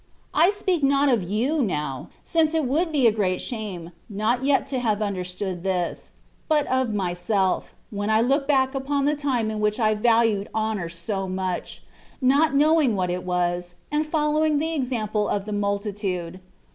I speak not of you now (since it would be a great shame, not yet to have understood this), but of myself, when I look back upon the time in which I valued honour so much, not knowing what it was, and following the example of the multitude.